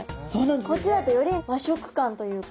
こっちだとより和食感というか。